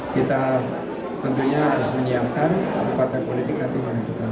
kita tentunya harus menyiapkan partai politik nanti menentukan